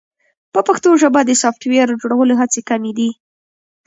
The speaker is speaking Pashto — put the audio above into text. په پښتو ژبه د سافټویر جوړولو هڅې کمې دي.